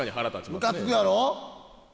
むかつくやろ？